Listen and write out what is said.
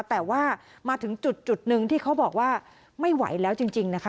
แต่ว่ามาถึงจุดหนึ่งที่เขาบอกว่าไม่ไหวแล้วจริงนะคะ